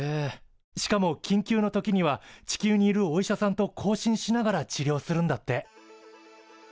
しかも緊急の時には地球にいるお医者さんと交信しながら治療するんだって。